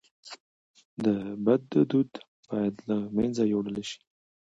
د بد دود باید له منځه یووړل سي.